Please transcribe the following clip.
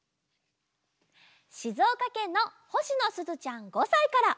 しずおかけんのほしのすずちゃん５さいから。